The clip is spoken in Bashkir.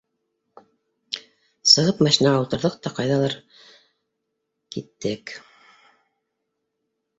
Сығып машинаға ултырҙыҡ та ҡайҙалыр киттек.